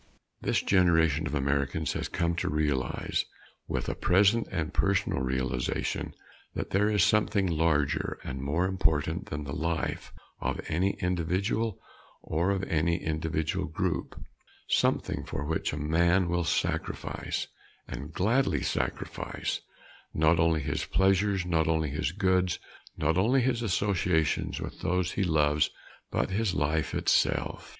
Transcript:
This generation of Americans has come to realize, with a present and personal realization, that there is something larger and more important than the life of any individual or of any individual group something for which a man will sacrifice, and gladly sacrifice, not only his pleasures, not only his goods, not only his associations with those he loves, but his life itself.